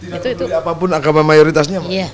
tidak peduli apapun agama mayoritasnya